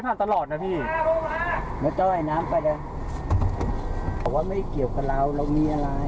บอกว่าไม่เกี่ยวกับเราเรามีอะไร